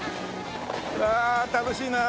うわあ楽しいな。